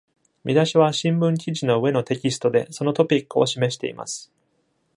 見出しは新聞記事の上のテキストで、そのトピックを示しています。